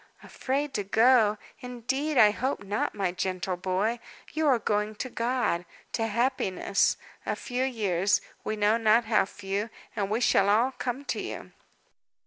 "Afraid to go! Indeed I hope not, my gentle boy. You are going to God to happiness. A few years we know not how few and we shall all come to you."